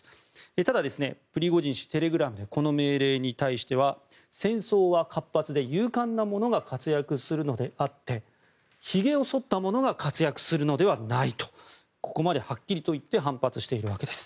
ただ、プリゴジン氏テレグラムでこの命令に対しては戦争は活発で勇敢な者が活躍するのであってひげをそった者が活躍するのではないとここまではっきりと言って反発しているわけです。